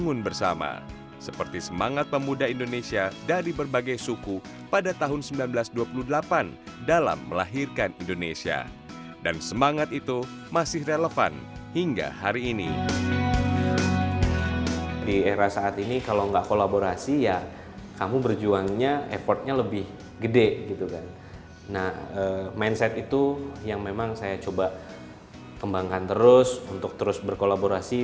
generasi muda sekarang ini yang harus punya mindset share berbagi